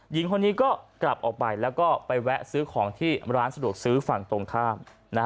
หญิงคนนี้ก็กลับออกไปแล้วก็ไปแวะซื้อของที่ร้านสะดวกซื้อฝั่งตรงข้าม